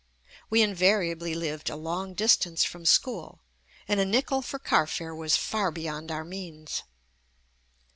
We invariably lived a long distance from school, and a nickel for carfare was far beyond our means.